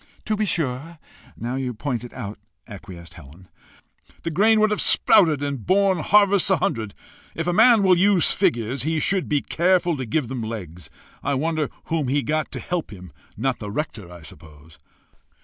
"To be sure now you point it out!" acquiesced Helen. "The grain would have sprouted and borne harvests a hundred. If a man will use figures, he should be careful to give them legs. I wonder whom he got to help him not the rector, I suppose?"